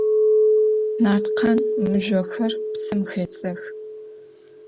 Нарткъан мыжъохэр псым хедзэх.